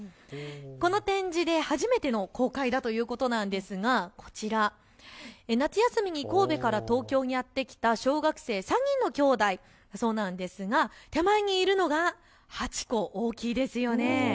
この展示で初めての公開だということなんですがこちら、夏休みに神戸から東京にやって来た小学生３人のきょうだいだそうなんですが手前にいるのがハチ公、大きいですよね。